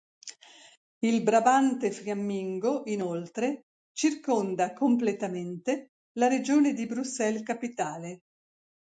Il Brabante Fiammingo inoltre circonda completamente la Regione di Bruxelles-Capitale.